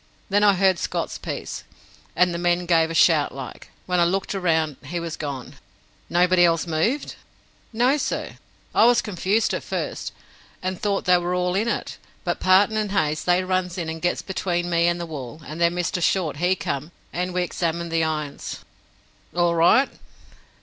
Then I heard Scott's piece, and the men gave a shout like. When I looked round, he was gone." "Nobody else moved?" "No, sir. I was confused at first, and thought they were all in it, but Parton and Haines they runs in and gets between me and the wall, and then Mr. Short he come, and we examined their irons." "All right?"